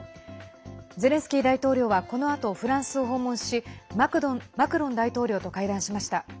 ゼレンスキー大統領はこのあとフランスを訪問しマクロン大統領と会談しました。